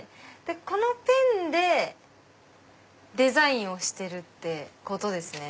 このペンでデザインをしてるってことですね。